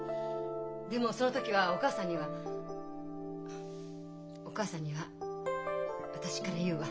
でもその時はお義母さんにはお義母さんには私から言うわ。